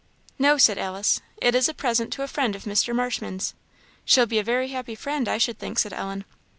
"No," said Alice, "it is a present to a friend of Mr. Marshman's." "She'll be a very happy friend, I should think," said Ellen.